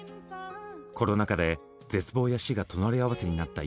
コロナ禍で絶望や死が隣り合わせになった